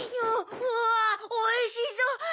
うわおいしそう。